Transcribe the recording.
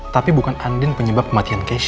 tapi bukan andin penyebab kematian kesh